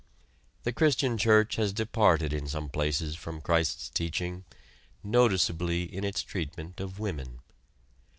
The Christian Church has departed in some places from Christ's teaching noticeably in its treatment of women.